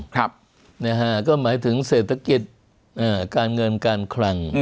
ก็หมายถึงเศรษฐกิจการเงินการคลัง